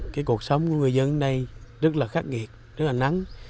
cái cuộc sống của người dân ở đây rất là khắc nghiệt rất là nắng